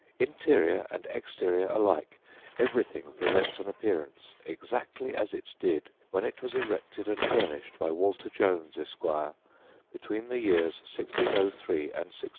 Interior and exterior alike, everything presents an appearance exactly as it did when it was erected and furnished by Walter Jones, Esquire, between the years 1603 and 1630.